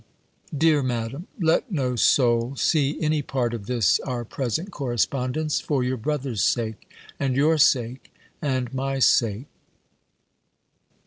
B. Dear Madam, let no soul see any part of this our present correspondence, for your brother's sake, and your sake, and my sake.